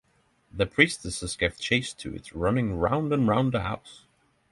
The priestesses gave chase to it, running round and round the house.